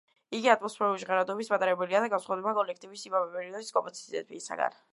იგი ატმოსფერული ჟღერადობის მატარებელია და განსხვავდება კოლექტივის იმავე პერიოდის კომპოზიციებისგან.